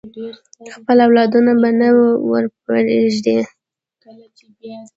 خپل اولادونه به نه ورپریږدي.